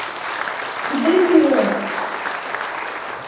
Кидем кӱрлат!